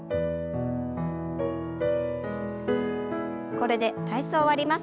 これで体操を終わります。